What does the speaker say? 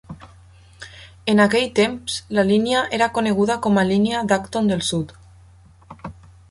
En aquell temps, la línia era coneguda com a línia d'Acton del sud.